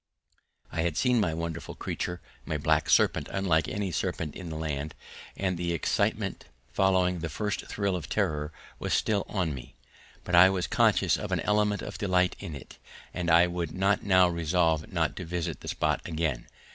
I had seen my wonderful creature, my black serpent unlike any serpent in the land, and the excitement following the first thrill of terror was still on me, but I was conscious of an element of delight in it, and I would not now resolve not to visit the spot again.